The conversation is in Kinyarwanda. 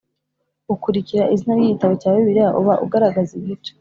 ukurikira izina ry igitabo cya Bibiliya uba ugaragaza igice